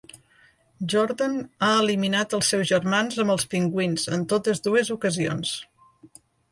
Jordan ha eliminat els seus germans amb els pingüins en totes dues ocasions.